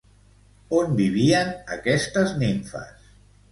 On vivien aquestes nimfes?